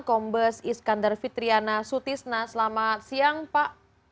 kombes iskandar fitriana sutisna selamat siang pak